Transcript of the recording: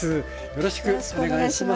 よろしくお願いします。